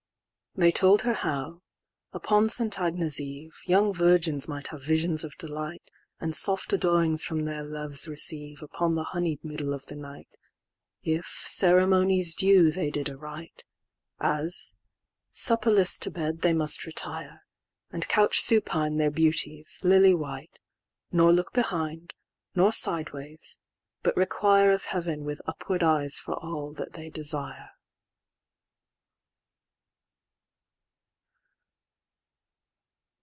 VI.They told her how, upon St. Agnes' Eve, Young virgins might have visions of delight, And soft adorings from their loves receiveUpon the honey'd middle of the night, If ceremonies due they did aright; As, supperless to bed they must retire, And couch supine their beauties, lily white; Nor look behind, nor sideways, but requireOf Heaven with upward eyes for all that they desire.